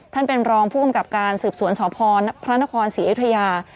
ท่านเป็นรองผู้กำกับการสืบสวนสพพระนครศรีอยุธยา